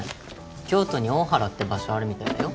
京都に大原って場所あるみたいだよ